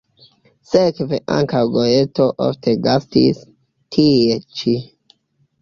Sekve ankaŭ Goeto ofte gastis tie ĉi.